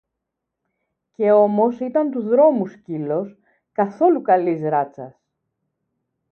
Και όμως ήταν του δρόμου σκύλος, καθόλου καλής ράτσας